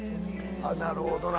なるほどな。